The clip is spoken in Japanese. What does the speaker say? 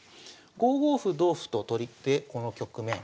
５五歩同歩と取ってこの局面。